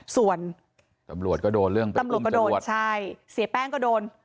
ส่วนตำรวจก็โดนเรื่องไปตำรวจก็โดนใช่เสียแป้งก็โดน